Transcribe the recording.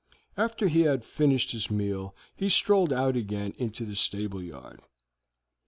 After he had finished his meal he strolled out again into the stable yard.